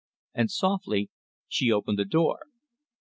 And softly she opened the door.